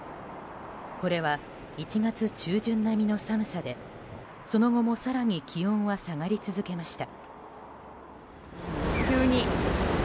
これは１月中旬並みの寒さでその後も、更に気温は下がり続けました。